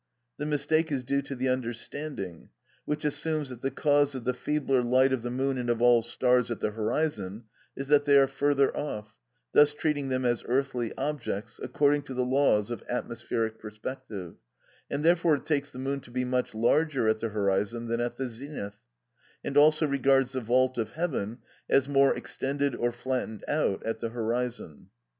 The mistake is due to the understanding, which assumes that the cause of the feebler light of the moon and of all stars at the horizon is that they are further off, thus treating them as earthly objects, according to the laws of atmospheric perspective, and therefore it takes the moon to be much larger at the horizon than at the zenith, and also regards the vault of heaven as more extended or flattened out at the horizon.